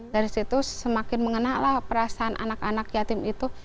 dari situ semakin mengenalah perasaan anak anak yatim itu